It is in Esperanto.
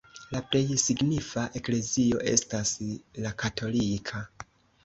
La plej signifa eklezio estas la katolika.